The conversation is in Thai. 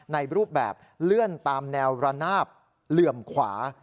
ในรูปแบบเลื่อนตามแนวระนาบเหลื่อมขวา